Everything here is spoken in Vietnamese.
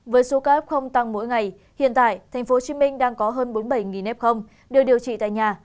với số ca f không tăng mỗi ngày hiện tại tp hcm đang có hơn bốn mươi bảy f được điều trị tại nhà